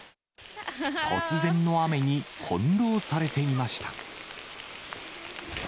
突然の雨に翻弄されていました。